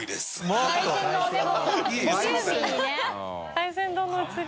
海鮮丼の写り？